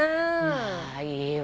まあいいわ。